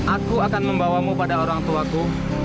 aku akan membawamu pada orang tuaku